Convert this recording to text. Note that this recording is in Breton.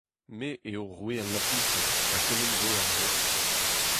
Me eo roue al lapoused ha kement zo er vro.